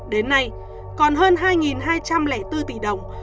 đến nay còn hơn hai hai trăm linh bốn tỷ đồng